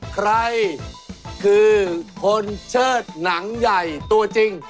ใครคือคนเชิดหนังใหญ่ตัวจริง